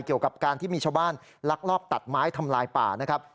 เกี่ยวกับการที่มีชาวบ้านลักลอบตัดไม้ทำลายป่านะครับ